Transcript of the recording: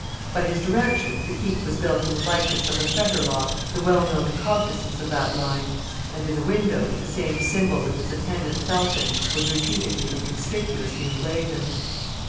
By his directions the keep was built in the likeness of a fetter lock, the well known cognisance of that line, and in the windows the same symbol with its attendant falcon was repeatedly and conspicuously emblazoned.